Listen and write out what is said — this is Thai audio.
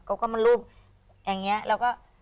เขาก็มารูปอย่างนี้แล้วก็